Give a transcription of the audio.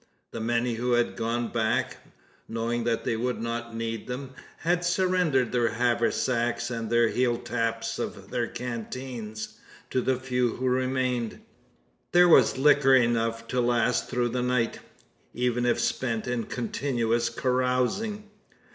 The many who had gone back knowing they would not need them had surrendered their haversacks, and the "heel taps" of their canteens, to the few who remained. There was liquor enough to last through the night even if spent in continuous carousing.